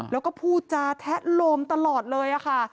แล้วก็พูดจาแทะโลมตลอดเลยค่ะ